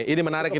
ini menarik ini